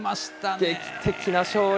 劇的な勝利。